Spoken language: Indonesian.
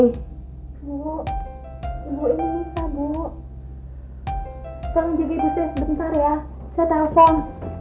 ibu ibu ini nisa ibu tolong jaga ibu saya sebentar ya saya telpon